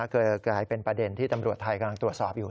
ก็กลายเป็นประเด็นที่ตำรวจไทยต่อสอบอยู่